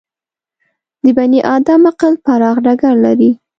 د بني ادم عقل پراخ ډګر لري.